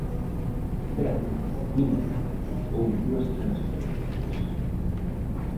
Ben, minto, houbo dúas transferencias.